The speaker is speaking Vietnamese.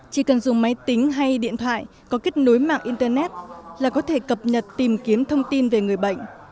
chỉ cần dùng máy tính hay điện thoại có kết nối mạng internet là có thể cập nhật tìm kiếm thông tin về người bệnh